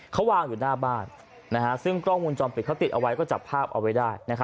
เขาวางอยู่หน้าบ้านซึ่งกล้องวงจรปิดเขาติดเอาไว้ก็จับภาพเอาไว้ได้